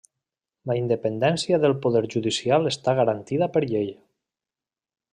La independència del poder judicial està garantida per llei.